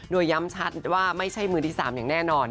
โดยย้ำชัดว่าไม่ใช่มือที่๓อย่างแน่นอน